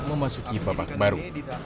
memasuki babak baru